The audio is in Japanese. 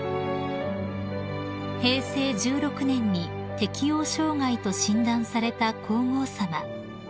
［平成１６年に適応障害と診断された皇后さま］